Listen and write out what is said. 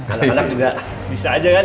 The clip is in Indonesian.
anak anak juga bisa aja kan